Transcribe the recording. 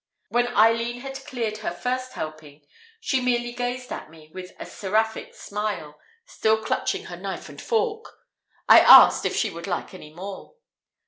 When Eileen had cleared her first helping, she merely gazed at me with a seraphic smile, still clutching her knife and fork. I asked if she would like any more?